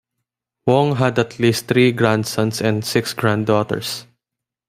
Wong had at least three grandsons and six granddaughters.